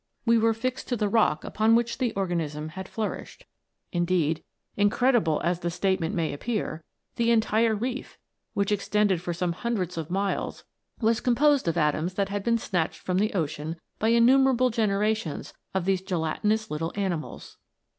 We were fixed to the rock upon which the or ganism had nourished ; indeed, incredible as the statement may appear, the entire reef, which ex tended for some hundreds of miles, was composed of atoms that had been snatched from the ocean by innumerable generations of those gelatinous little animals.